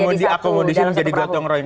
mau diakomodisi menjadi gotong royong